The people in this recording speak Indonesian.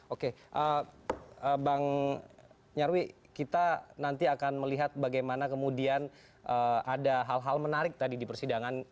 oke bang nyarwi kita nanti akan melihat bagaimana kemudian ada hal hal menarik tadi di persidangan